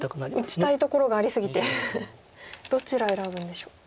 打ちたいところがあり過ぎてどちらを選ぶんでしょう。